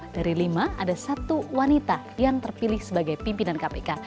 dari lima ada satu wanita yang terpilih sebagai pimpinan kpk